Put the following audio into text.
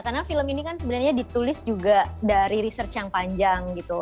karena film ini kan sebenarnya ditulis juga dari research yang panjang gitu